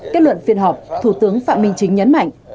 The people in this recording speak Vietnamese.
kết luận phiên họp thủ tướng phạm minh chính nhấn mạnh